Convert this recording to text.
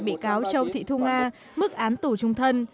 bị cáo châu thị thu nga mức án tù trung thân